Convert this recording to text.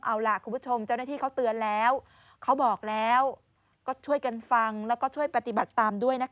เอาล่ะคุณผู้ชมเจ้าหน้าที่เขาเตือนแล้วเขาบอกแล้วก็ช่วยกันฟังแล้วก็ช่วยปฏิบัติตามด้วยนะคะ